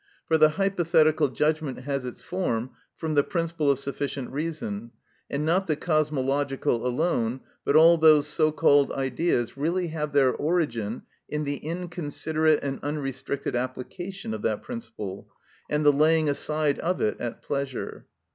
For the hypothetical judgment has its form from the principle of sufficient reason, and not the cosmological alone but all those so called Ideas really have their origin in the inconsiderate and unrestricted application of that principle, and the laying aside of it at pleasure.